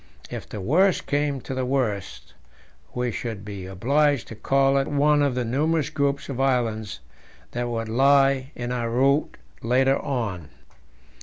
If the worst came to the worst, we should be obliged to call at one of the numerous groups of islands that would lie in our route later on.